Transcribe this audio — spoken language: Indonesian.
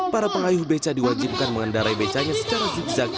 para pengayuh beca diwajibkan mengendarai becanya secara zigzag